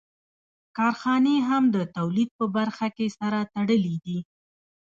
کارخانې هم د تولید په برخه کې سره تړلې دي